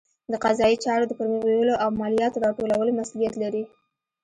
د قضایي چارو د پرمخ بیولو او مالیاتو راټولولو مسوولیت لري.